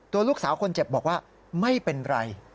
ลูกสาวคนเจ็บบอกว่าไม่เป็นไร